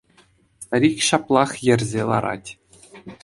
Старик ҫаплах йӗрсе ларать.